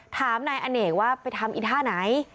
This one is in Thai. ถามนายอเนกว่าไปทำอีท่าไหน